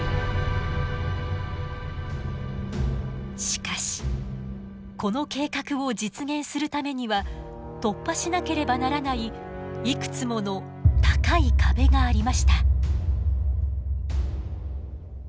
しかしこの計画を実現するためには突破しなければならないいくつもの高い壁がありました。